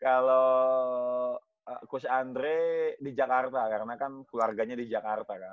kalau coach andre di jakarta karena kan keluarganya di jakarta kan